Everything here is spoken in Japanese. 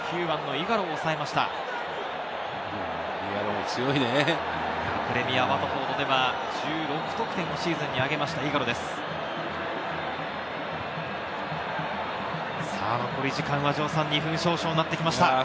９番のイガロが抑えました。